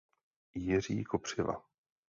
Jiří Kopřiva.